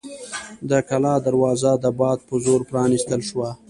د کلا دروازه د باد په زور پرانیستل شوه.